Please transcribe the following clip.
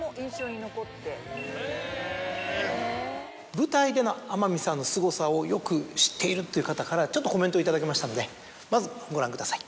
舞台での天海さんのすごさをよく知っているという方からコメントを頂きましたのでまずご覧ください。